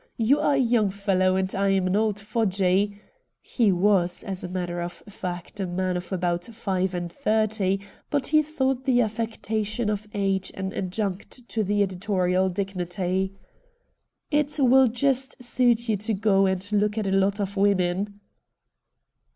You are a young fel low and I am an old fogey '— he was, as a matter of fact, a man of about five and thirty, but he thought the affectation of age an adjunct to the editorial dignity. ' It THE MAN FROM AFAR 29 will just suit you to go and look at a lot of women.'